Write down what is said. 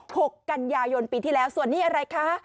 หกกันยายนปีที่แล้วส่วนนี้อะไรคะ